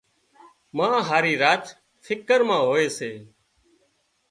ما هارِي راچ فڪر مان هوئي سي